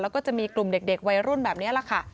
แล้วก็จะมีกลุ่มเด็กวัยรุ่นแบบนี้แหละค่ะ